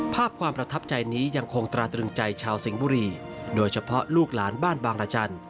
ภาพความประทับใจนี้ยังคงตราตรึงใจชาวสิงห์บุรีโดยเฉพาะลูกหลานบ้านบางรจันทร์